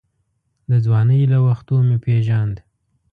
د ځوانۍ له وختو مې پېژاند.